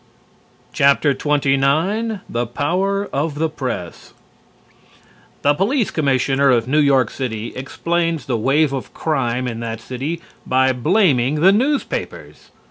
XXIX THE POWER OF THE PRESS The Police Commissioner of New York City explains the wave of crime in that city by blaming the newspapers.